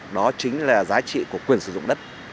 đó chính là giá trị của quyền sử dụng đất